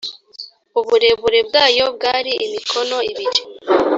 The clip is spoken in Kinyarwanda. uburebure bwayo bwari imikono ibiri